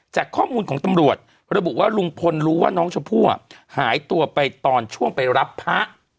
จากข้อมูลของตำรวจระบุว่าลุงพลรู้ว่าน้องชมพู่หายตัวไปตอนช่วงไปรับพระ